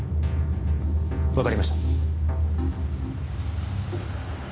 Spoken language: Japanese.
わかりました。